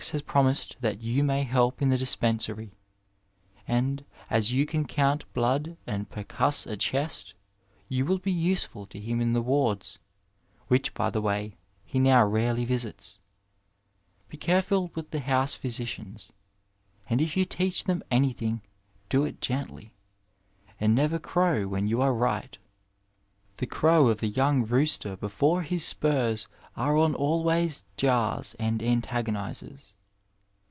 has promised that you may help in the dispensary, and as you can comit blood and percuss a chest you will be useful to him in the wards, which, by the way, he now rarely visits; Be careful with the house physicians, and if you teach them anything do it gently, and never crow when you are right. The crow of the young rooster before his spurs are on always jars and antagonizes.